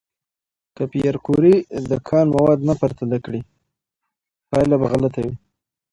که پېیر کوري د کان مواد نه پرتله کړي، پایله به غلطه وي.